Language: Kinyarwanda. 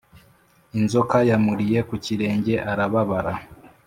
inzoka yamuriye kukirenge arababara